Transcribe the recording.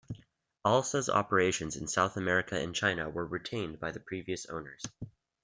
Alsa's operations in South America and China were retained by the previous owners.